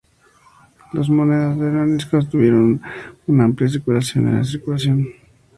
Las monedas de Mogadiscio tuvieron así una amplia circulación eran en circulación.